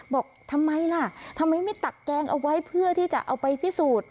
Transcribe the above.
บอกทำไมล่ะทำไมไม่ตักแกงเอาไว้เพื่อที่จะเอาไปพิสูจน์